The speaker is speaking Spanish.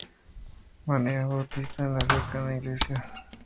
María fue bautizada en la cercana iglesia de St.